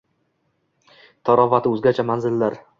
Tarovati o‘zgacha manzillar